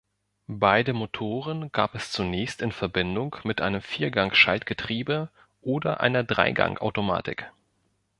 Beide Motoren gab es zunächst in Verbindung mit einem Viergang-Schaltgetriebe oder einer Dreigangautomatik.